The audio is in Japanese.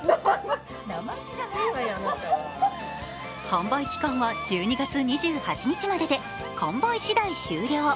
販売期間は１２月２８日までで完売次第終了。